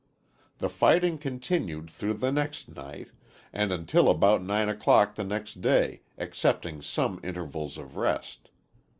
The fighting continued through the next night and until about 9 o'clock the next day excepting some intervals of rest.